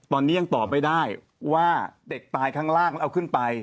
ตอนนี้ยังตอบไม่ได้ว่าเด็กตายข้างล่างแล้วเอาขึ้นไป